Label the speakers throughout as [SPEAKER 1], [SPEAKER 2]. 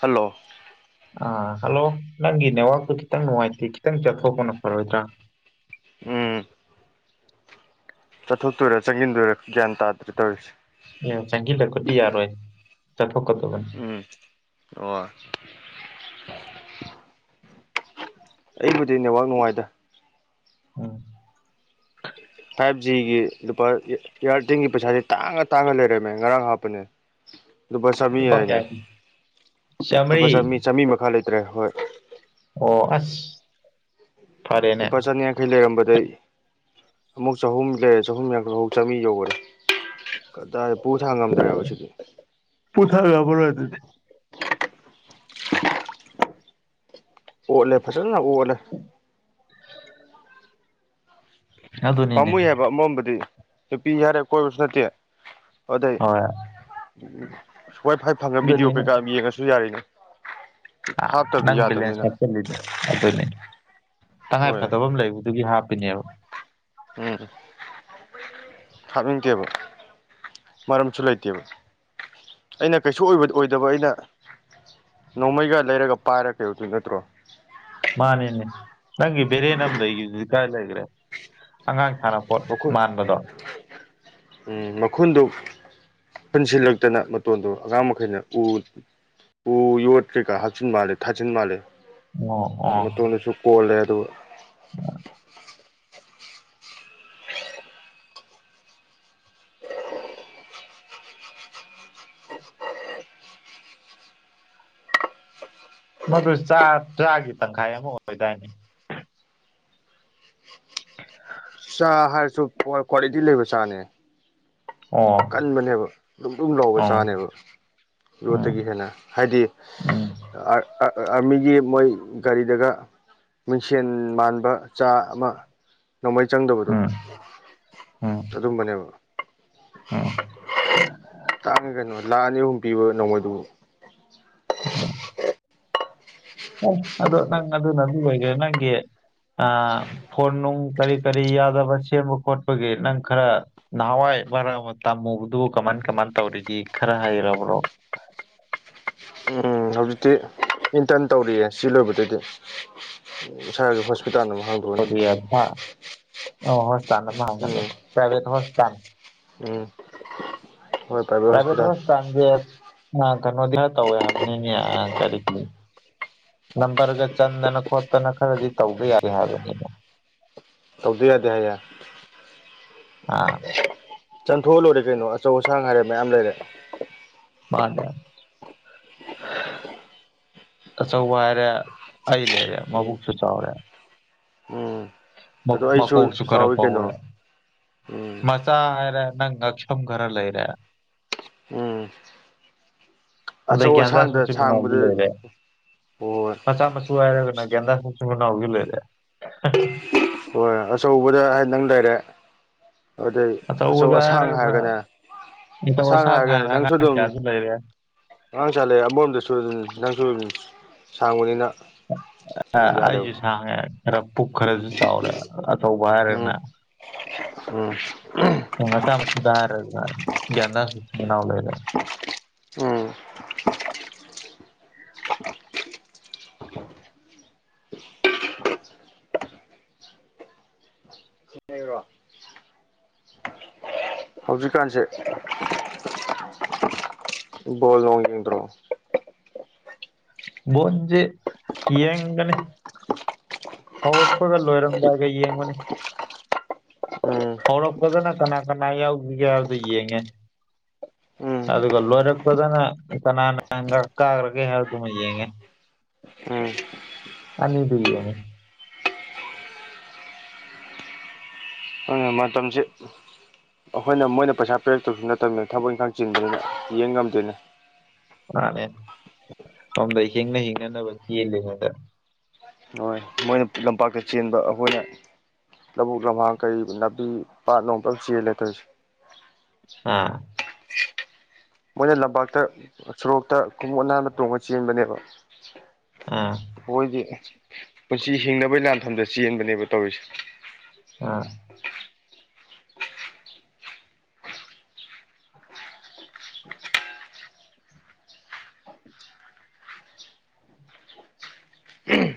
[SPEAKER 1] hello
[SPEAKER 2] ꯑ hello ꯅꯪꯒꯤ ꯅꯦꯠꯋꯥꯛꯇꯨ ꯈꯤꯇꯪ ꯅꯨꯡꯉꯥꯏꯇꯦ ꯈꯤꯇꯪ ꯆꯠꯊꯣꯛꯄꯅ ꯐꯔꯣꯏꯗ꯭ꯔꯥ
[SPEAKER 1] ꯎꯝ ꯆꯠꯊꯣꯛꯇꯣꯏꯔꯥ ꯆꯪꯟꯖꯤꯟꯗꯣꯏꯔꯥ ꯒ꯭ꯌꯥꯟ ꯇꯥꯗ꯭ꯔꯦ ꯇꯧꯔꯤꯁꯦ
[SPEAKER 2] ꯑꯦ ꯆꯪꯁꯤꯜꯂꯛꯄꯗꯤ ꯌꯥꯔꯣꯏ ꯆꯠꯊꯣꯛꯀꯗꯕꯅꯤ
[SPEAKER 1] ꯎꯝ ꯑꯣ ꯑꯩꯕꯨꯗꯤ ꯅꯦꯠꯋꯥꯛ ꯅꯨꯡꯉꯥꯏꯗ
[SPEAKER 2] ꯎꯝ
[SPEAKER 1] ꯐꯥꯏꯚ ꯖꯤꯒꯤ ꯂꯨꯄꯥ ꯏꯌꯥꯔꯇꯦꯜꯒꯤ ꯄꯩꯁꯥꯁ ꯇꯥꯡꯉ ꯇꯥꯡꯉ ꯂꯩꯔꯝꯃꯦ ꯉꯔꯥꯡ ꯍꯥꯞꯄꯅꯦ ꯂꯨꯄꯥ ꯆꯥꯝꯃꯔꯤ ꯍꯥꯏꯅꯦ ꯂꯗꯨꯨꯄꯥ
[SPEAKER 2] ꯆꯥꯝꯃꯔꯤ
[SPEAKER 1] ꯆꯥꯝꯃ ꯆꯥꯝꯃꯔꯤ ꯃꯈꯥ ꯂꯩꯇ꯭ꯔꯦ ꯍꯣꯏ
[SPEAKER 2] ꯑꯣ ꯑꯁ ꯐꯔꯦꯅꯦ
[SPEAKER 1] ꯂꯨꯄꯥ ꯆꯅꯤ ꯌꯥꯡꯈꯩ ꯂꯩꯔꯝꯕꯗꯩ ꯑꯃꯨꯛ ꯆꯍꯨꯝ ꯂꯩꯔꯦ ꯆꯍꯨꯝ ꯌꯥꯡꯛꯇꯐꯥꯎꯛ [unintelligible] ꯆꯥꯝꯃꯔꯤ ꯌꯧꯈꯔꯦ ꯀꯗꯥꯏ ꯄꯨ ꯊꯥꯡ ꯉꯝꯗ꯭ꯔꯦꯕ ꯁꯤꯗꯤ
[SPEAKER 2] ꯄꯨꯊꯥꯡ ꯉꯝꯃꯔꯣꯏ ꯑꯗꯨꯗꯤ
[SPEAKER 1] ꯑꯣꯠꯂꯦ ꯐꯖꯅꯅ ꯑꯣꯠꯂꯦ
[SPEAKER 2] [inaudible] ꯑꯗꯨꯅꯤꯅꯦ
[SPEAKER 1] ꯄꯥꯝꯃꯨꯏ ꯍꯥꯏꯕ ꯑꯃꯔꫭꯝꯗꯗꯤ ꯅꯨꯄꯤ ꯌꯥꯔꯦ ꯀꯣꯏꯕꯁꯨ ꯅꯠꯇꯦ ꯑꯗꯩ
[SPEAKER 2] ꯍꯣꯏ
[SPEAKER 1] ꯋꯥꯏ ꯐꯥꯏ ꯐꯪꯉ ꯕꯤꯗꯤꯑꯣ
[SPEAKER 2] ꯑꯗꯨꯅꯤꯅꯦ
[SPEAKER 1] ꯀꯩꯀꯥ ꯌꯦꯡꯉꯁꯨ ꯌꯥꯔꯤꯅꯤ
[SPEAKER 2] ꯑꯥ
[SPEAKER 1] ꯍꯥꯞ
[SPEAKER 2] ꯅꯪ ꯕꯦꯂꯦꯟꯁ ꯍꯥꯞꯆꯜꯂꯤꯗꫭ ꯑꯗꯨꯅꯤ
[SPEAKER 1] ꯍꯣꯏ
[SPEAKER 2] ꯇꯉꯥꯏꯐꯗꯕ ꯑꯃ ꯂꯩꯕꯗꯨꯒꯤ ꯍꯥꯞꯄꯤꯅꯦꯕ
[SPEAKER 1] ꯎꯝ ꯍꯥꯞꯅꯤꯡꯗꯦꯕ ꯃꯔꯝꯁꯨ ꯂꯩꯇꯦꯕ ꯑꯩꯅ ꯀꯩꯁꯨ ꯑꯣꯏ ꯑꯣꯏꯗꯕ ꯑꯩꯅ ꯅꯣꯡꯃꯩꯒ ꯂꯩꯔꯒ ꯄꯥꯏꯔꯒ ꯀꯩꯗꯧꯗꯣꯏ ꯅꯠꯇ꯭ꯔꯣ
[SPEAKER 2] ꯃꯥꯅꯦꯅꯦ ꯅꯪꯒꯤ ꯕꯦꯔꯦꯟ ꯅ ꯑꯃ ꯂꯩꯈꯤꯕ ꯍꯧꯖꯤꯛ ꯀꯥꯏ ꯂꯩꯈ꯭ꯔꯦ ꯑꯉꯥꯡ ꯊꯥꯔ ꯃꯥꯟꯥꯟꯕꯗ
[SPEAKER 1] ꯎ ꯃꯈꯨꯟꯗꯨ ꯄꯨꯟꯁꯤꯜꯂꯛꯇꯅ ꯃꯇꯣꯟꯗꯣ ꯑꯉꯥꯡ ꯃꯈꯩꯅ ꯎ ꯎ ꯌꯣꯠꯇ꯭ꯔꯤꯀ ꯍꯥꯞꯆꯤꯟ ꯃꯥꯜꯂꯦ ꯊꯥꯆꯤꯟ ꯃꯥꯜꯂꯦ
[SPEAKER 2] ꯑꯣ ꯑꯣ
[SPEAKER 1] ꯃꯇꯣꯗꯁꯨ ꯀꯣꯜꯂꯦ ꯑꯗꯨꯒ
[SPEAKER 2] ꯃꯗꯨ ꯆꯥ ꯆ꯭ꯔꯥꯒꯤ ꯇꯪꯈꯥꯏ ꯑꯃ ꯑꯣꯏꯗꯥꯏꯅꯦ
[SPEAKER 1] ꯆꯥ ꯍꯥꯏꯔꯁꯨ ꯀ꯭ꯋꯥꯂꯤꯇꯤ ꯂꯩꯕ ꯆꯥꯅꯦ
[SPEAKER 2] ꯑꯣ
[SPEAKER 1] ꯀꯟꯕꯅꯦꯕ ꯅꯨꯡ ꯅꯨꯡ ꯂꯥꯎꯕ
[SPEAKER 2] ꯑꯣ
[SPEAKER 1] ꯆꯥꯅꯦꯕ
[SPEAKER 2] ꯎꯝ
[SPEAKER 1] ꯌꯣꯠꯇꯒꯤ ꯍꯦꯟꯅ ꯍꯥꯏꯗꯤ
[SPEAKER 2] ꯎꯝ
[SPEAKER 1] ꯑꯃꯤꯒꯤ ꯃꯣꯏ ꯔꯤ ꯒꯥ ꯃꯤꯡꯁꯦꯟ ꯃꯥꯟꯕ ꯆꯥ ꯑꯃ ꯅꯣꯡꯃꯩ ꯆꯪꯗꯕꯗꯣ
[SPEAKER 2] ꯎꯝ ꯎꯝ
[SPEAKER 1] ꯑꯗꯨꯝꯕꯅꯦꯕ
[SPEAKER 2] ꯎꯝ
[SPEAKER 1] ꯇꯥꯡꯉꯦ ꯀꯩꯅꯣ ꯂꯥꯛꯑꯅꯤ ꯑꯍꯨꯝ ꯄꯤꯕ ꯅꯣꯡꯃꯩꯗꯨꯕꯨ
[SPEAKER 2] ꯑꯗꯣ ꯅꯪ ꯑꯗꯨꯅꯗꯤ ꯑꯣꯏꯈꯦ ꯅꯪꯒꯤ ꯐꯣꯟ ꯅꯨꯡ ꯀꯔꯤ ꯀꯔꯤ ꯌꯥꯗꯕ ꯁꯦꯝꯕ ꯈꯣꯠꯄꯒꯤ ꯅꯪ ꯈꯔ ꯅꯅꯥꯋꯥ ꯑꯩꯕꯔ ꯇ ꯃꯗꯨ ꯀꯃꯥꯟ ꯀꯃꯥꯟ ꯇꯧꯔꯤꯗꯤ ꯈꯔ ꯍꯥꯏꯔꯕ꯭ꯔꯣ
[SPEAKER 1] ꯎꯝ ꯍꯧꯖꯤꯛꯇꯤ ꯏꯟꯇꯔꯟ ꯇꯧꯔꯤꯌꯦ ꯁꯤ ꯂꯣꯏꯕꯗꯗꯤ ꯏꯁꯥꯒꯤ ꯍꯣꯁꯄꯤꯇꯥꯜ ꯑꯃ ꯍꯪꯕ ꯑꯗꯨꯅꯤ
[SPEAKER 2] ꯑꯣ ꯍꯣꯁꯄꯤꯇꯥꯜꯥꯡꯅꯤ ꯄꯥꯏꯕꯦꯠ ꯍꯣꯁꯄꯤꯇꯥꯜ
[SPEAKER 1] ꯎꯝ ꯍꯣꯏ
[SPEAKER 2] ꯄ꯭ꯔꯥꯏꯚꯦꯠ
[SPEAKER 1] ꯍꯣꯁꯄꯤꯇꯥꯜ
[SPEAKER 2] ꯍꯣꯁꯄꯤꯇꯥꯜꯁꯦ ꯀꯩꯅꯣꯗꯤ ꯇꯧꯋꯦ ꯍꯥꯏꯕꯅꯤꯅꯦ ꯀꯔꯤꯒꯤ ꯅꯝꯕꯔꯒ ꯆꯟꯗꯅ ꯈꯣꯠꯇꯅ ꯈꯔꯗꯤ ꯇꯧꯗ ꯌꯥꯏꯗꯦ ꯍꯥꯏꯕꯅꯤꯅ
[SPEAKER 1] ꯇꯧꯗ ꯌꯥꯗꯦ ꯍꯥꯏꯌꯦ
[SPEAKER 2] ꯑꯥ
[SPEAKER 1] ꯆꯟꯊꯣꯛꯍꯜꯂꯣꯏꯔꯦ ꯀꯩꯅꯣ ꯑꯆꯧ ꯑꯁꯥꯡ ꯍꯥꯏꯔꯦ ꯃꯌꯥꯝ ꯂꯩꯔꯦ
[SPEAKER 2] ꯃꯥꯗ ꯑꯆꯧꯕ ꯍꯥꯏꯔꯦ ꯑꯩ ꯂꯩꯔꯦ
[SPEAKER 1] ꯎꯝ
[SPEAKER 2] ꯃꯕꯨꯛꯁꯨ ꯆꯥꯎꯔꯦ
[SPEAKER 1] ꯎꯝ
[SPEAKER 2] ꯃ
[SPEAKER 1] ꯑꯗꯣ
[SPEAKER 2] ꯃꯥ
[SPEAKER 1] ꯑꯩꯁꯨ
[SPEAKER 2] ꯑꯣꯁꯨ ꯈꯔ
[SPEAKER 1] ꯆꯥꯎꯋꯤ
[SPEAKER 2] ꯑꯥꯎꯔ
[SPEAKER 1] ꯀꯩꯅꯣ ꯎꯝ
[SPEAKER 2] ꯃꯥ ꯆꯥ ꯍꯥꯏꯔꯦ ꯅꯪ ꯉꯛꯁꯝ ꯈꯔ ꯂꯩꯔꯦ
[SPEAKER 1] ꯎꯝ
[SPEAKER 2] ꯑꯗꯗꯒꯤ
[SPEAKER 1] ꯑꯆꯧ
[SPEAKER 2] ꯑꯗꯁ
[SPEAKER 1] ꯑꯁꯥꯡꯗ
[SPEAKER 2] ꯃꯆꯨꯅ
[SPEAKER 1] ꯁꯥꯡꯕꯗ
[SPEAKER 2] ꯂꯩꯦ
[SPEAKER 1] ꯍꯣꯏ
[SPEAKER 2] ꯃꯆꯥ ꯃꯆ ꯁꯨꯔꯒꯅꯒꯗ ꯁꯆꯅ ꯎꯒ ꯂꯔ
[SPEAKER 1] ꯍꯣꯏ ꯑꯆꯧꯕꯗ ꯍꯥꯏ ꯅꯪ ꯂꯩꯔꯦ ꯑꯗꯨꯗꯩ ꯑꯆꯧ
[SPEAKER 2] ꯑꯆꯧꯕꯗ
[SPEAKER 1] ꯑꯁꯥꯡ
[SPEAKER 2] ꯍꯥꯏꯔꯒꯅ
[SPEAKER 1] ꯍꯥꯏꯔꯒꯅꯦ
[SPEAKER 2] ꯅꯤꯡꯊꯧ
[SPEAKER 1] ꯑꯁꯥꯡ ꯍꯥꯏꯔꯒꯅꯦ
[SPEAKER 2] ꯍꯥꯏꯅ
[SPEAKER 1] ꯅꯪꯁꯨ
[SPEAKER 2] ꯑꯉꯥꯡ
[SPEAKER 1] ꯑꯗꯨꯝ
[SPEAKER 2] ꯀꯌꯥꯁꯨ ꯂꯩꯔꯦ
[SPEAKER 1] ꯑꯉꯥꯡ ꯆꯥꯠꯂꯑꯦ ꯑꯃꯔꯣꯝꯗꯁꯨ ꯑꯗꯨꯝ ꯅꯪꯁꯨ ꯑꯗꯨꯝ ꯁꯥꯡꯕꯅꯤꯅ ꯑꯗꯨꯝ ꯌꯥꯔꯦꯕ
[SPEAKER 2] ꯑꯩꯁꯨ ꯁꯥꯡꯉꯦ ꯈꯔ ꯄꯨꯛ ꯈꯔꯁꯨ ꯆꯥꯎꯔꯦ ꯑꯆꯧꯕ ꯍꯥꯌꯔꯒꯅꯥ
[SPEAKER 1] ꯎꯝ ꯎꯝ
[SPEAKER 2] ꯃꯆꯥ ꯃ ꯔ ꯒꯗ ꯂꯩꯔꯦ [unintelligible]
[SPEAKER 1] ꯎꯝ ꯍꯧꯖꯤꯛꯀꯥꯟꯁꯦ ꯕꯣꯜ ꯅꯣꯡ ꯌꯦꯡꯗ꯭ꯔꯣ
[SPEAKER 2] ꯕꯣꯜꯖꯦ ꯌꯦꯡꯒꯅꯤ ꯍꯧꯔꯛꯄꯒ ꯂꯣꯏꯔꯝꯗꯥꯏꯒ ꯌꯦꯡꯕꯅꯤ
[SPEAKER 1] ꯎꯝ
[SPEAKER 2] ꯍꯧꯔꯛꯄꯗꯅ ꯀꯅꯥ ꯀꯅꯥ ꯌꯥꯎꯈꯤꯒꯦ ꯍꯥꯏꯕꯗ ꯌꯦꯡꯉꯦ
[SPEAKER 1] ꯎꯝ
[SPEAKER 2] ꯑꯗꯨꯒ ꯂꯣꯔꯛꯄꯗꯅ ꯀꯅꯥꯪ ꯀꯒ꯭ꯔꯒꯦꯍꯥꯏꯗꯨ ꯃ ꯌꯦꯡꯑꯦ
[SPEAKER 1] ꯎꯝ
[SPEAKER 2] ꯑꯅꯤꯗꯨ ꯌꯦꯪꯏ
[SPEAKER 1] ꯎꯝ ꯃꯇꯝꯁꯦ ꯑꯩꯈꯣꯏꯅ ꯃꯣꯏꯅ ꯄꯩꯁꯥ ꯄꯤꯔꯛꯇꯕꯁꯨ ꯅꯠꯇꯕꯅꯤꯅ ꯊꯕꯛ ꯏꯪꯈꯥꯡ ꯆꯤꯟꯗꯣꯏꯅꯤꯅ ꯌꯦꯡ ꯉꯝꯗꯦꯅꯤ
[SPEAKER 2] ꯃꯥꯅꯦ ꯁꯣꯝꯗ ꯍꯤꯡꯅ ꯍꯤꯡꯅꯅꯕ ꯆꯦꯜꯂꯤꯉꯩꯗ
[SPEAKER 1] ꯍꯣꯏ ꯃꯣꯏꯅ ꯂꯝꯄꯥꯛꯇ ꯆꯦꯟꯕ ꯑꯩꯈꯣꯏꯅ ꯂꯧꯕꯨꯛ ꯂꯝꯍꯥꯡ ꯀꯩ ꯅꯥꯄꯤ ꯄꯥꯠꯂꯣꯝꯇ ꯆꯦꯜꯂꯦ ꯇꯣꯏꯔꯤꯁꯦ
[SPEAKER 2] ꯑꯥ
[SPEAKER 1] ꯃꯣꯏꯅ ꯂꯝꯄꯥꯛꯇ ꯁꯣꯔꯣꯛꯇ ꯈꯣꯡꯎꯞ ꯅꯥꯟꯕ ꯇꯣꯡꯉ ꯆꯦꯟꯕꯅꯦꯕ
[SPEAKER 2] ꯑꯥ
[SPEAKER 1] ꯑꯩꯈꯣꯏꯒꯤ ꯄꯨꯟꯁꯤ ꯍꯤꯡꯅꯕꯩ ꯂꯥꯟꯐꯝꯗ ꯆꯦꯟꯕꯅꯦꯕ ꯇꯧꯔꯤꯁꯦ
[SPEAKER 2] ꯑ ꯑ ꯎ ꯍ
[SPEAKER 1] ꯎꯝ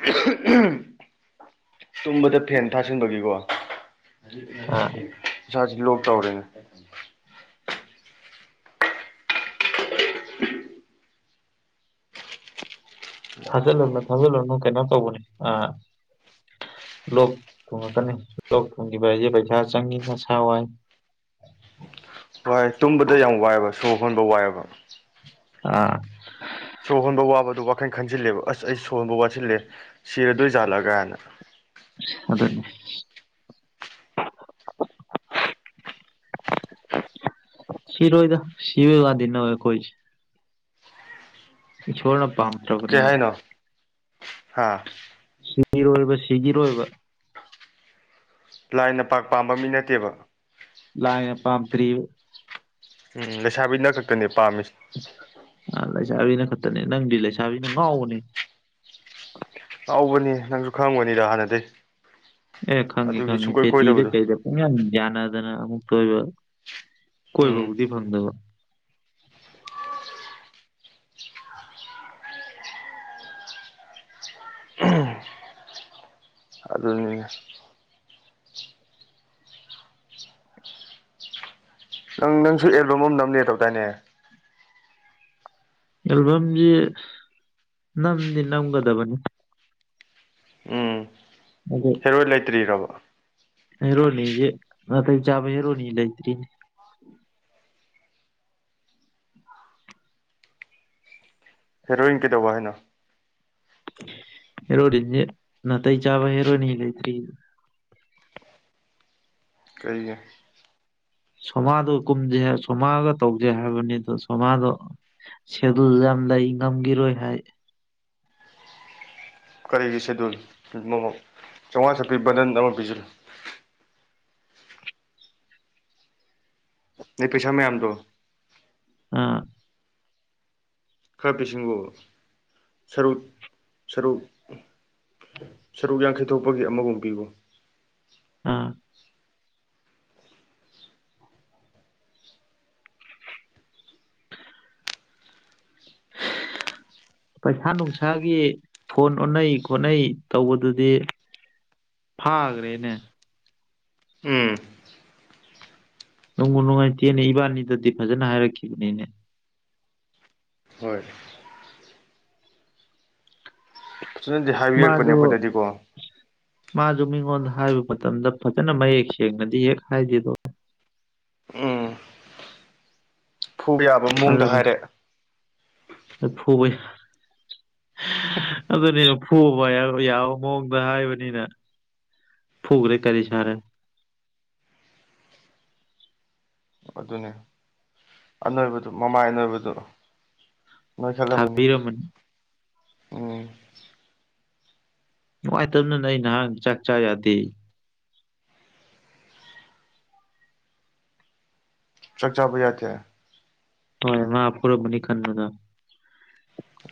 [SPEAKER 2] ꯎꯝ
[SPEAKER 1] ꯇꯨꯝꯕꯗ ꯐꯦꯟ ꯊꯥꯁꯤꯟꯕꯒꯤꯀꯣ
[SPEAKER 2] ꯑꯥ
[SPEAKER 1] ꯏꯁꯥꯁꯤ ꯂꯣꯛ ꯇꯧꯔꯦꯅꯦ
[SPEAKER 2] ꯊꯥꯖꯤꯜꯂꯨꯅꯨ ꯊꯥꯖꯤꯜꯂꯨꯅꯨ ꯀꯩꯅꯣ ꯇꯧꯕꯅꯦ ꯑ ꯂꯣꯛ ꯊꯨꯡꯉꯛꯀꯅꯤ ꯂꯣꯛ ꯊꯨꯡꯈꯤꯕ ꯍꯥꯏꯁꯦ ꯄꯩꯁꯥ ꯆꯪꯉꯤ ꯅꯁꯥ ꯋꯥꯏ
[SPEAKER 1] ꯍꯏ ꯇꯨꯝꯕꯗ ꯌꯥꯝ ꯋꯥꯏꯑꯕ ꯁꯣꯔ ꯍꯣꯟꯕ ꯋꯥꯏꯑꯕ
[SPEAKER 2] ꯑꯥ
[SPEAKER 1] ꯁ ꯍꯣꯟꯕ ꯋꯥꯕꯗ ꯋꯥꯈꯜ ꯈꯟꯖꯤꯜꯂꯦꯕ ꯑꯁ ꯑꯩ ꯁꯨꯍꯣꯟꯕ ꯋꯥꯠꯁꯤꯜꯂꯦ ꯁꯤꯔꯗꯣꯏ ꯖꯥꯜꯂꯒꯅ
[SPEAKER 2] ꯑꯗꯨꯗꯅꯦꯦ ꯁꯤꯔꯣꯏꯗ ꯁꯤꯔꯣꯏ ꯋꯥꯗꯅꯈꯣꯏ ꯁꯣꯣꯔꯅ
[SPEAKER 1] ꯀ ꯍꯥꯏꯥꯏꯅꯣ ꯍꯥꯥ
[SPEAKER 2] ꯁꯤꯒꯤꯔꯣꯏꯕ ꯁꯤꯒꯤꯔꯣꯏꯕ
[SPEAKER 1] ꯂꯥꯏꯅ ꯄꯥꯛ ꯄꯥꯝꯕ ꯃꯤ ꯅꯠꯇꯦꯕ
[SPEAKER 2] ꯂꯥꯏꯅ ꯄꯥꯝꯗ꯭ꯔꯤꯕ
[SPEAKER 1] ꯎꯝ ꯂꯩꯁꯥꯕꯤꯅ ꯈꯛꯇꯅꯦ ꯄꯥꯝꯃꯤꯁꯤ
[SPEAKER 2] ꯑ ꯂꯩꯁꯥꯕꯤꯅ ꯈꯛꯇꯅꯦ ꯅꯪꯗꯤ ꯂꯩꯁꯥꯕꯤꯅ ꯉꯥꯎꯕꯅꯦ
[SPEAKER 1] ꯍꯥꯎꯕꯅꯤ ꯅꯪꯁꯨ ꯈꯪꯕꯅꯤꯗ ꯍꯥꯟꯅꯗꯩ
[SPEAKER 2] ꯑꯦ ꯈꯪꯉꯤ
[SPEAKER 1] ꯑꯗꯨꯒꯤ
[SPEAKER 2] ꯈꯪꯉꯤ
[SPEAKER 1] ꯁꯨꯡꯀꯣꯏ
[SPEAKER 2] ꯄꯦꯇꯤ ꯗ
[SPEAKER 1] ꯀꯣꯏꯗꯕꯗꯣ
[SPEAKER 2] ꯀꯩꯗ ꯗꯅ ꯑꯃꯛ ꯇꯕ
[SPEAKER 1] ꯎꯝ
[SPEAKER 2] ꯀꯣꯏꯕꯕꯨꯗꯤ ꯐꯪꯗꯕ
[SPEAKER 1] ꯑꯗꯨꯅꯤ ꯪ ꯅꯪꯁꯨ ꯑꯦꯜꯕꯝ ꯑꯃ ꯅꯝꯅꯦ ꯇꯧꯗꯥꯏꯅꯦ
[SPEAKER 2] ꯑꯦꯜꯕꯝꯁꯤ ꯅꯝꯗꯤ ꯅꯝꯒꯗꯕꯅꯤ
[SPEAKER 1] ꯎꯝ
[SPEAKER 2] ꯑꯗꯨ
[SPEAKER 1] ꯍꯦꯔꯣꯏ ꯂꯩꯇ꯭ꯔꯤꯔꯕ
[SPEAKER 2] ꯍꯦꯔꯣꯅꯤꯦ ꯃ ꯆꯥꯕ ꯍꯦꯔꯣꯅꯤ ꯏꯂꯇ꯭ꯔꯤ
[SPEAKER 1] ꯍꯦꯔꯣꯏꯟ ꯀꯩꯗꯧꯕ ꯍꯥꯏꯅꯣ
[SPEAKER 2] ꯍꯦꯔꯣꯅꯤꯖ ꯅ ꯇꯩ ꯆꯥꯕ ꯍꯦꯔꯣꯅꯤ ꯂꯩꯇ꯭ꯔꯤ
[SPEAKER 1] ꯀꯩꯒꯤ
[SPEAKER 2] ꯁꯣꯃꯥꯗꯣ ꯀꯨꯝꯁꯦ ꯁꯣꯃꯥꯒ ꯇꯧꯁꯦ ꯍꯥꯏꯕꯅꯤ ꯑꯣ ꯁꯣꯃꯥꯗꯣ ꯁꯦꯗꯨꯜ ꯌꯥꯝ ꯂꯩ ꯉꯝꯈꯤꯔꯣꯏ ꯍꯥꯏ
[SPEAKER 1] ꯀꯔꯤꯒꯤ ꯁꯦꯗꯨꯜ ꯆꯥꯝꯃꯉꯥ ꯆꯠꯄꯤ ꯕꯟꯗꯟ ꯑꯃ ꯄꯤꯁꯤꯂꯨ ꯅ ꯄꯩꯁꯥ ꯃꯌꯥꯝꯗꯣ
[SPEAKER 2] ꯑ
[SPEAKER 1] ꯈꯔꯕꯤꯁꯤꯡꯕꯨꯨ ꯁꯔꯨꯛ ꯁꯔꯨꯛ ꯌꯥꯡꯈꯩꯊ ꯊꯣꯛꯄꯒꯤ ꯑꯃꯒꯨꯝ ꯄꯤꯕꯨꯨ
[SPEAKER 2] ꯑꯥ [inaudible] ꯄꯩꯁꯥ ꯅꯨꯡꯁꯥꯒꯤ ꯐꯣꯟ ꯑꯣꯟꯅꯩ ꯈꯣꯠꯅꯩ ꯇꯧꯕꯗꯨꯗꯤ ꯐꯥꯈ꯭ꯔꯦꯅꯦ
[SPEAKER 1] ꯎꯝ
[SPEAKER 2] ꯅꯣꯡꯕꯨꯨ ꯅꯨꯡꯉꯥꯏꯇꯦꯅꯦ ꯏꯕꯥꯅꯤꯗꯗꯤ ꯐꯖꯅ ꯍꯥꯏꯔꯛꯈꯤꯕꯅꯤꯅꯦ
[SPEAKER 1] ꯍꯣꯏ ꯁꯤꯅꯗꯤ ꯍꯥꯏꯕꯤꯔꯛꯄꯅꯦ
[SPEAKER 2] ꯃꯥꯁꯨ
[SPEAKER 1] ꯑꯩꯈꯣꯏꯗꯗꯤꯀꯣ
[SPEAKER 2] ꯃꯥꯁꯨ ꯃꯤꯉꯣꯟꯗ ꯍꯥꯏꯕꯨ ꯃꯇꯝꯗ ꯐꯖꯅ ꯃꯌꯦꯛ ꯁꯦꯡꯅꯗꯤ ꯍꯦꯛ ꯍꯥꯏꯗ‌ꯦꯗꯣ
[SPEAKER 1] ꯊꯨꯕ ꯌꯥꯕ ꯃꯑꯣꯡꯗ
[SPEAKER 2] ꯑꯗꯨꯅꯤ
[SPEAKER 1] ꯍꯥꯏꯔꯦ
[SPEAKER 2] ꯐꯨꯕ
[SPEAKER 1] [inaudible]
[SPEAKER 2] ꯑꯗꯨꯅꯤꯅ ꯐꯨꯕ ꯌꯥꯕ ꯃꯑꯣꯡꯗ ꯍꯥꯏꯕꯅꯤꯅ ꯐꯨꯈ꯭ꯔꯦ ꯀꯔꯤ ꯁꯥꯔꯦ
[SPEAKER 1] ꯑꯗꯨꯅꯦ ꯑꯅꯣꯏꯕꯗꫭ ꯃꯃꯥꯏ ꯑꯅꯣꯏꯕꯗꫭ
[SPEAKER 2] ꯊꯥꯕꯤꯔꯝꯃꯅꯤ
[SPEAKER 1] ꯎꯝ
[SPEAKER 2] ꯅꯨꯡꯉꯥꯏꯇꯕꯅꯤꯅ ꯑꯩ ꯅꯍꯥꯟ ꯆꯥꯛ ꯆꯥ ꯌꯥꯗꯦ
[SPEAKER 1] ꯆꯥꯛ ꯆꯥꯕ ꯌꯥꯇꯦ
[SPEAKER 2] ꯍꯣꯏ ꯃꯥ ꯐꯨꯔꯝꯃꯅꯤ ꯈꯥꯟꯕꯗ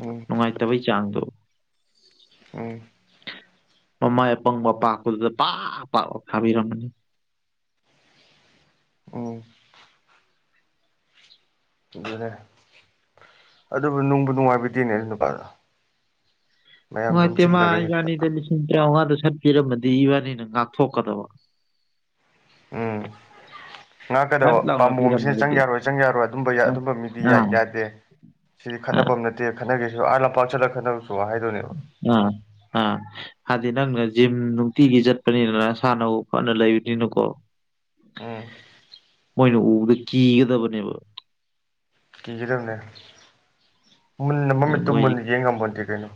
[SPEAKER 1] ꯑꯣ
[SPEAKER 2] ꯅꯨꯡꯉꯥꯏꯇꯕꯩ ꯆꯥꯡꯗꯣ
[SPEAKER 1] ꯑꯣ
[SPEAKER 2] ꯃꯃꯥꯏ ꯑꯄꯪꯕ ꯃꯄꯥꯛꯄꯨꯗꯨꯗ ꯄꯥꯛ ꯄꯥꯛ ꯐꯥꯕꯤꯔꯝꯃꯅꯤ
[SPEAKER 1] ꯑꯣ ꯑꯗꯨꯅꯦ ꯑꯗꯨꯕꯨ ꯅꯨꯡꯕꯨ ꯅꯨꯡꯉꯥꯏꯕꯗꯤꯅꯦ ꯅꯨꯄꯥꯗ‌ꫭ
[SPEAKER 2] ꯅꯨꯡꯉꯥꯏꯇꯦ ꯃꯥ
[SPEAKER 1] ꯍꯦꯛꯇ
[SPEAKER 2] ꯏꯕꯥꯅꯤꯗ ꯂꯤꯁꯤꯡ ꯇꯔꯥꯃꯉꯥꯗ ꯁꯠꯄꯤꯔꯝꯃꯗꯤ ꯏꯕꯥꯅꯤꯅ ꯉꯥꯛꯊꯣꯛꯀꯗꯕ
[SPEAKER 1] ꯎꯝ
[SPEAKER 2] [inaudible] ꯁꯠ
[SPEAKER 1] ꯉꯥꯛꯀꯗꯕ
[SPEAKER 2] ꯂꯥꯎꯅ
[SPEAKER 1] ꯄꯥꯝꯕꯣꯝꯁꯤꯅ ꯆꯪ
[SPEAKER 2] ꯄꯤꯔꯝꯃꯒꯗꯤ
[SPEAKER 1] ꯌꯥꯔꯣꯏ ꯆꯪ ꯌꯥꯔꯣꯏ ꯑꯗꯨꯝꯕ
[SPEAKER 2] ꯑ
[SPEAKER 1] ꯑꯗꯨꯝꯕ ꯃꯤꯗꯤ ꯌꯥꯏ
[SPEAKER 2] ꯑꯥ
[SPEAKER 1] ꯌꯥꯗꯦ ꯁꯤꯗꯤ ꯈꯠꯐꯝ ꯑꯃ ꯅꯠꯇꯦ ꯈꯠꯅꯒꯦꯁꯨ ꯑꯥ ꯂꯝꯄꯥꯛ ꯆꯠꯂꯒ ꯈꯠꯅꯕꯁꯨ ꯍꯥꯏꯗꯣꯏꯅꯦꯕ
[SPEAKER 2] ꯎꯝ ꯎꯝ ꯍꯥꯏꯗꯤ ꯅꯪꯅ ꯖꯤꯝ ꯅꯨꯡꯇꯤꯒꯤ ꯆꯠꯄꯅꯤꯅꯅꯁꯥꯟꯅ ꯐꯅ ꯂꯩꯕꯅꯤꯅꯀꯣ ꯎꯝ
[SPEAKER 1] ꯎꯝ
[SPEAKER 2] ꯃꯣꯏꯅ ꯎꯕꯗ ꯀꯤꯒꯗꯕꯅꯦꯕ
[SPEAKER 1] ꯀꯤꯒꯗꯕꯅꯦ ꯃꯨꯟꯅ
[SPEAKER 2] ꯑꯗꯨ
[SPEAKER 1] ꯃꯃꯤꯠꯠꯇꯨ ꯃꯨꯟꯅ ꯌꯦꯡꯉꯝꯃꯗꯤꯦ ꯀꯩꯅꯣ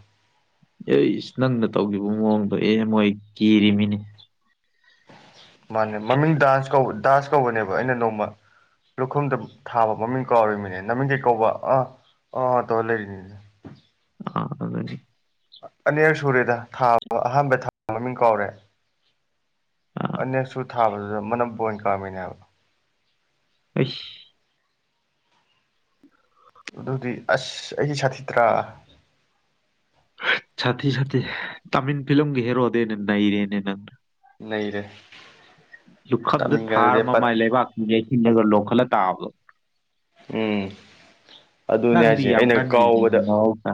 [SPEAKER 2] ꯑꯦ ꯏꯁ ꯅꯪꯅ ꯇꯧꯈꯤꯕ ꯃꯑꯣꯡꯗꯣ ꯑꯦ ꯃꯣꯏ ꯀꯤꯔꯤꯃꯤꯅꯦ
[SPEAKER 1] ꯃꯥꯅꯦ ꯃꯃꯤꯡ ꯗꯥꯟꯁ ꯀꯧꯕ ꯗꯥꯟꯁ ꯀꯧꯕꯅꯦꯕ ꯑꯩꯅ ꯅꯣꯡꯃ ꯂꯧꯨꯈꯣꯝꯗ ꯊꯥꯕ ꯃꯃꯤꯡ ꯀꯥꯎꯔꯤꯕꯃꯤꯅꯦ ꯅꯃꯤꯡ ꯀꯩ ꯀꯧꯕ ꯑꯥ ꯑꯥ ꯑꯥ ꯇꯧꯔ ꯂꯩꯔꯤꯅꯤꯅꯦ
[SPEAKER 2] ꯑ ꯑꯗꯨꯅꯤ
[SPEAKER 1] ꯑꯅꯤꯔꯛ ꯁꯨꯔꯦꯗ ꯊꯥ ꯑꯍꯥꯟꯕ ꯊꯥ ꯃꯃꯤꯡ ꯀꯧꯔꯦ
[SPEAKER 2] ꯑꯥ
[SPEAKER 1] ꯑꯅꯦꯛꯁꯨ ꯊꯥꯕꯗꯨꯗ ꯃꯅꯝ ꯕꫭꯟ ꯀꯥꯝꯃꯤꯅꯦꯕ
[SPEAKER 2] ꯑꯁ
[SPEAKER 1] ꯑꯗꯨꯗꯤ ꯑꯁ ꯑꯩꯗꯤ ꯁꯥꯊꯤ ꯇ꯭ꯔꯥ
[SPEAKER 2] ꯁꯥꯊꯤ ꯁꯥꯊꯤ ꯇꯥꯃꯤꯜ ꯐꯤꯂꯝꯒꯤ ꯍꯦꯔꯣꯗꯩ ꯍ‌ꯦꯟꯅ ꯅꯩꯔꯦꯅꯦ ꯅꯪ
[SPEAKER 1] ꯅꯩꯔꯦ
[SPEAKER 2] ꯂꯨꯈꯝꯗ
[SPEAKER 1] ꯇꯝꯅꯤꯡꯉꯦ
[SPEAKER 2] ꯊꯥꯔ
[SPEAKER 1] ꯑꯗꯨꯗꯤ ꯄꯠ
[SPEAKER 2] ꯃꯃꯥꯏ ꯂꯩꯕꯥꯛꯁꯤꯡ ꯌꯩꯁꯤꯂꯒ ꯂ ꯂꯧꯈꯠꯂ ꯇꯥꯕꯗꯣ
[SPEAKER 1] ꯎꯝ ꯑꯗꯨꯅꯦ
[SPEAKER 2] ꯅꯪꯗꯤ
[SPEAKER 1] ꯍꯥꯏꯁꯦ
[SPEAKER 2] ꯌꯥꯝ
[SPEAKER 1] ꯑꯩꯅ
[SPEAKER 2] ꯀꯟꯒꯤꯕꯅꯤꯅ‌ꯦ
[SPEAKER 1] ꯀꯥꯎꯕꯗ
[SPEAKER 2] ꯃꯍꯧꯁꯥ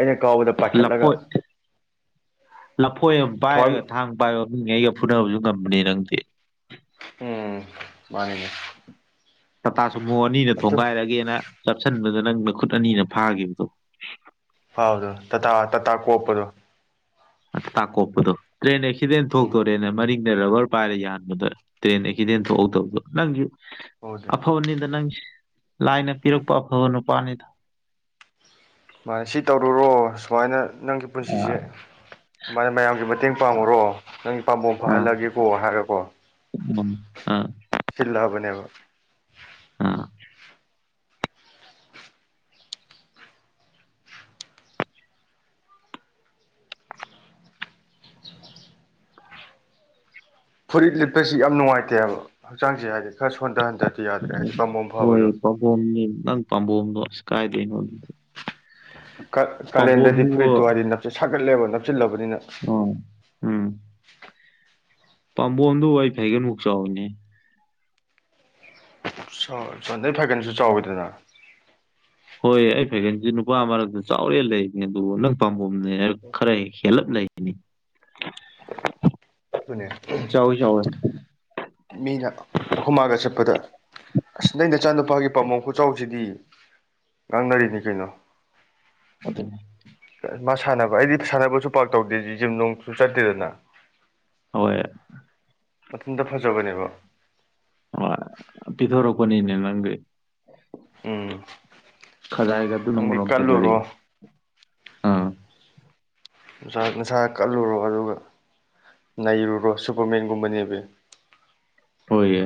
[SPEAKER 1] ꯑꯩꯅ ꯀꯥꯎꯕꯗ ꯄꯥꯏꯈꯠꯂꯒ
[SPEAKER 2] ꯂꯐꯣꯏ ꯂꯐꯣꯏ ꯑꯃ
[SPEAKER 1] ꯊꯋꯥꯏ
[SPEAKER 2] ꯄꯥꯏꯔꯒ ꯊꯥꯡꯕ ꯕꯥꯏ ꯃꯡꯉ ꯑꯩꯒ ꯐꯨꯅꯕꯁꯨ ꯉꯝꯕꯅꯤ ꯅꯪꯗꯤ
[SPEAKER 1] ꯎꯝ ꯃꯥꯅꯤꯅꯦ
[SPEAKER 2] ꯇꯥꯇꯥ ꯁꯃꯨ ꯑꯅꯤꯅ
[SPEAKER 1] ꯑꯗꯨ
[SPEAKER 2] ꯊꯣꯡꯒꯥꯏꯔꯒꯦꯅ ꯆꯞꯁꯤꯟꯕꯗ ꯅꯪ ꯃꯈꯨꯠ ꯑꯅꯤꯅ ꯐꯥꯈꯤꯕꯗꯣ
[SPEAKER 1] ꯍꯥꯎꯗꯣ ꯇꯥꯇꯥ ꯇꯥꯇꯥ ꯀꯣꯛꯞꯄꯗꯣ
[SPEAKER 2] ꯑ ꯇꯥꯛꯀꯣꯛꯄꯗꯣ ꯇ꯭ꯔꯦꯟ ꯑꯦꯛꯁꯤꯗꯦꯟ
[SPEAKER 1] ꯎꯝ
[SPEAKER 2] ꯊꯣꯛꯇꯣꯔꯦꯅ ꯃꯔꯤ ꯅ ꯔꯕꯔ ꯄꯥꯏꯔ ꯌꯥꯟꯕꯗ ꯇ꯭ꯔꯦꯟ ꯑꯦꯛꯁꯤꯗꯦꯟ ꯊꯣꯛꯍꯧꯗꯕꯗꯣ ꯅꯪꯁꯨ
[SPEAKER 1] ꯍꯧꯗꯦ
[SPEAKER 2] ꯑꯐꯕꯅꯤꯗ ꯅꯪ ꯂꯥꯏꯅ ꯄꯤꯔꯛꯄ ꯑꯐꯕ ꯅꯨꯄꯥꯅꯤꯗ
[SPEAKER 1] ꯃꯥꯅꯤ ꯁꯤ ꯇꯧꯔꯨꯔꯣ ꯁꯨꯃꯥꯏꯅ ꯅꯪꯒꯤ ꯄꯨꯟꯁꯤꯁꯦ
[SPEAKER 2] ꯑꯥ
[SPEAKER 1] ꯁꯨꯃꯥꯏꯅ ꯃꯌꯥꯝꯒꯤ ꯃꯇꯦꯡ ꯄꯥꯡꯉꯨꯔꯣ ꯅꯪ ꯄꯥꯝꯕꯣꯝ
[SPEAKER 2] ꯑꯥ
[SPEAKER 1] ꯐꯍꯜꯂꯒꯦꯀꯣ ꯍꯥꯏꯔꯀꯣ
[SPEAKER 2] ꯎꯝ ꯑꯥ
[SPEAKER 1] ꯁꯤꯜꯂꯑꯕꯅꯦ ꯑꯕ
[SPEAKER 2] ꯑꯥ
[SPEAKER 1] ꯐꯨꯔꯤꯠ ꯂꯤꯠꯄꯁꯤ ꯌꯥꯝ ꯅꯨꯡꯉꯥꯏꯇꯦꯕ ꯍꯛꯆꯥꯡꯁꯦ ꯍꯥꯏꯗꯤ ꯈꯔ ꯁꯣꯟꯊꯍꯟꯗꯗꯤ ꯌꯥꯗ꯭ꯔꯦ ꯍꯥꯏꯗꯤ ꯄꯥꯝꯕꯣꯝ
[SPEAKER 2] ꯍꯣꯏ
[SPEAKER 1] ꯐꯕꯗꯣ
[SPEAKER 2] ꯄꯥꯝꯕꯣꯝꯅꯤ ꯅꯪ ꯄꯥꯝꯕꯣꯝꯗꯣ ꯑꯁ ꯀꯥꯏꯗꯩꯅꯣ
[SPEAKER 1] ꯀꯥꯂꯦꯟꯗꯗꯤ
[SPEAKER 2] ꯄꯥꯝꯕꯣꯝꯗꯨꯕꯨ
[SPEAKER 1] ꯐꯨꯔꯤꯠꯇꯨ ꯍꯥꯏꯗꯤ ꯅꯞ ꯁꯥꯒꯠꯂꯦꯕ ꯅꯞꯁꯤꯜꯂꯕꯅꯤꯅ
[SPEAKER 2] ꯑꯣꯀ ꯎꯝ ꯄꯥꯝꯕꯣꯝꯗꯨ ꯑꯩ ꯐꯩꯒꯟꯃꯨꯛ ꯆꯥꯎꯏꯅꯦ
[SPEAKER 1] ꯆꯥꯎ ꯅꯩ ꯐꯩꯒꯟꯁꯨ ꯆꯥꯎꯋꯤꯗꯅ
[SPEAKER 2] ꯍꯣꯏ ꯑꯩ ꯐꯩꯒꯜꯁꯤ ꯅꯨꯄꯥ ꯃꯔꯛꯇ ꯆꯥꯎꯔꯦ ꯂꯩꯅꯦ ꯑꯗꯨ ꯅꯪ ꯄꯥꯝꯕꯣꯝꯅꯦ ꯈꯔ ꯍꯦꯜꯂꯞ ꯂꯩ
[SPEAKER 1] ꯑꯗꯨꯅꯦ
[SPEAKER 2] ꯆꯥꯎꯏ ꯆꯥꯎꯏ
[SPEAKER 1] ꯃꯤꯅ ꯑꯈꯣꯢꯃꯥꯒ ꯆꯠꯄꯗ ꯑꯁ ꯅꯪ ꯅꯆꯥꯅꯨꯄꯥꯒꯤ ꯄꯥꯝꯕꯣꯝ ꯈꯨꯆꯥꯎꯁꯤꯗꯤ ꯉꯥꯡꯅꯔꯤꯅꯤ ꯀꯩꯅꯣ
[SPEAKER 2] ꯑꯗꯨꯅꯤ
[SPEAKER 1] ꯃꯥ ꯁꯥꯟꯅꯕ ꯑꯩꯗꯤ ꯁꯥꯟꯅꯕꯁꯨ ꯄꯥꯛ ꯇꯧꯗꯦ ꯖꯤꯝ ꯅꯨꯡꯁꯨ ꯆꯠꯇꯦꯗꯅ
[SPEAKER 2] ꯍꯣꯏ
[SPEAKER 1] ꯃꯊꯟꯇ ꯐꯖꯕꯅꯦꯕ
[SPEAKER 2] ꯍꯣꯢ ꯄꯤꯊꯣꯔꯛꯄꯅꯤꯅꯦ ꯅꯪꯗꯤ
[SPEAKER 1] ꯎꯝ
[SPEAKER 2] ꯈꯖꯥꯏꯒ ꯑꯗꯨꯅ
[SPEAKER 1] ꯅꯪꯗꯤ
[SPEAKER 2] ꯃꯔꯣꯝ ꯐꯖꯔꯤ
[SPEAKER 1] ꯀꯜꯂꯨꯔꯣ
[SPEAKER 2] ꯑꯥ
[SPEAKER 1] ꯅꯁꯥ ꯅꯁꯥ ꯀꯜꯂꯨꯔꯣ ꯑꯗꯨꯒ ꯅꯩꯔꯨꯔꯣ ꯁꯨꯄꯔꯃꯦꯟꯒꯨꯝꯕꯅꯦꯃꯤ
[SPEAKER 2] ꯍꯣꯏ ꯌꯦ